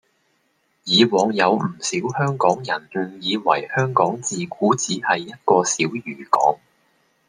以往有唔少香港人誤以為香港自古只係一個小漁港